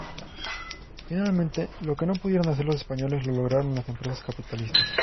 Finalmente lo que no pudieron hacer los españoles lo lograron las empresas capitalistas.